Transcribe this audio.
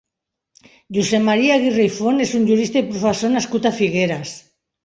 Josep Maria Aguirre i Font és un jurista i professor nascut a Figueres.